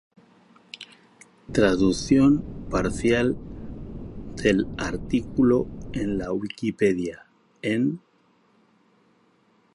Traducción parcial del artículo en la Wikipedia en